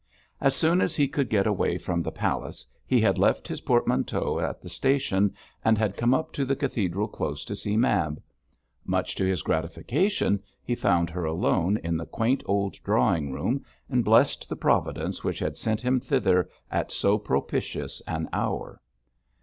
As soon as he could get away from the palace he had left his portmanteau at the station and had come up to the Cathedral Close to see Mab. Much to his gratification he found her alone in the quaint old drawing room, and blessed the Providence which had sent him thither at so propitious an hour.